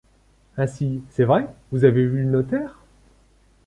Ainsi, c’est vrai, vous avez vu le notaire ?